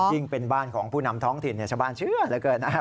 เป็นบ้านของผู้นำท้องถิ่นชาวบ้านเชื่อเหลือเกินนะครับ